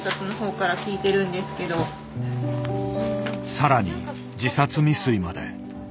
更に自殺未遂まで。